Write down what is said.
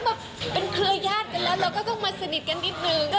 นักรยาศกับได้แล้วก็ต้องมันสนิทกันนิดนึง